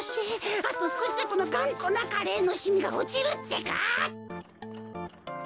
あとすこしでこのがんこなカレーのしみがおちるってか。